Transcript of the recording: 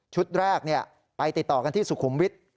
แรกไปติดต่อกันที่สุขุมวิทย์